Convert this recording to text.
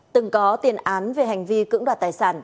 từng có tiền án về hành vi cưỡng đoạt tài sản